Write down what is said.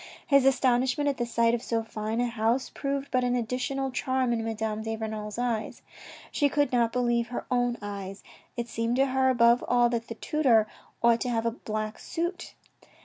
His astonishment at the sight of so fine a house proved but an additional charm in Madame de Renal's eyes. She could not believe her own eyes. It seemed to her, above all, that the tutor ought to have a black suit.